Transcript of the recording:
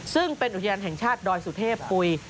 ซึ่งเป็นอุทยานแห่งชาติดอยสุเทพปุ๋ย